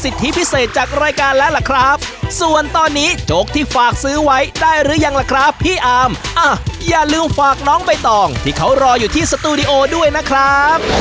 ที่เขารออยู่ที่สตูดิโอด้วยนะครับ